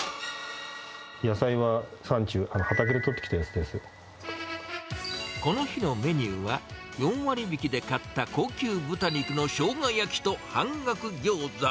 野菜はサンチュ、この日のメニューは、４割引きで買った高級豚肉のしょうが焼きと、半額ギョーザ。